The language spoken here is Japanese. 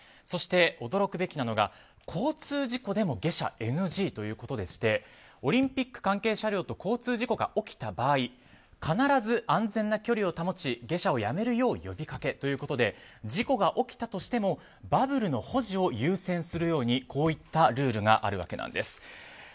そして、驚くべきなのが交通事故でも下車ＮＧということでしてオリンピック関係車両と交通事故が起きた場合必ず安全な距離を保ち下車をやめるよう呼びかけということで事故が起きたとしてもバブルの保持を優先するようにこういったルールがあるわけです。